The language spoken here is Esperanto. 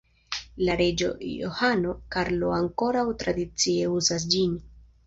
La reĝo Johano Karlo ankoraŭ tradicie uzas ĝin.